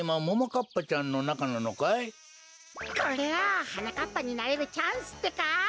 これははなかっぱになれるチャンスってか！